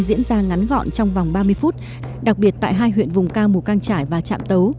diễn ra ngắn gọn trong vòng ba mươi phút đặc biệt tại hai huyện vùng cao mù căng trải và trạm tấu